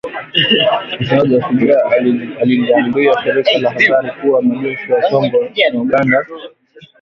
Msemaji wa Shujaa aliliambia shirika la habari kuwa majeshi ya Kongo na Uganda yalitia saini Juni mosi kuongeza muda wa operesheni zao za kijeshi katika awamu ya tatu.